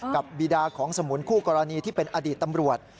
บีดาของสมุนคู่กรณีที่เป็นอดีตตำรวจ